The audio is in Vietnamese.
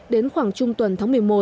đến khoảng trung tuần tháng một mươi một